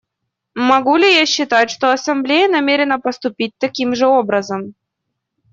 Могу ли я считать, что Ассамблея намерена поступить таким же образом?